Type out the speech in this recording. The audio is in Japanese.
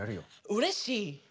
うれしい。